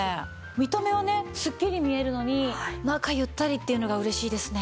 見た目はねすっきり見えるのに中ゆったりっていうのが嬉しいですね。